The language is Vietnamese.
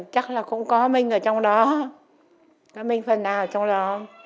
chắc là cũng có mình ở trong đó có mình phần nào ở trong đó